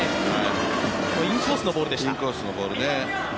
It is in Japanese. インコースのボールでした。